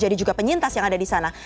jadi juga penyintas yang ada di sana